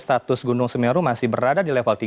status gunung semeru yang berada di jawa timur